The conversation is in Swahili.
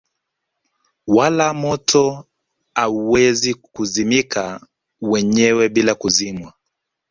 Wala moto hauwezi kuzimika wenyewe bila kuzimwa